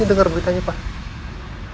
denger beritanya pak